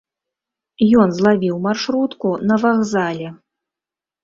Ён злавіў маршрутку на вакзале.